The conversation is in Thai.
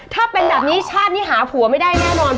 ถ้าเป็นแบบนี้ชาตินี้หาผัวไม่ได้แน่นอน